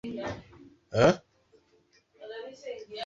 Tabia yako ni matokeo ya malezi yako